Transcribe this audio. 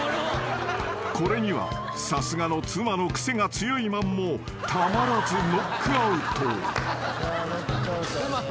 ［これにはさすがの妻のクセが強いマンもたまらずノックアウト］